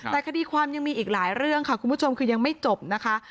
แต่คดีความยังมีอีกหลายเรื่องค่ะคุณผู้ชมคือยังไม่จบนะคะ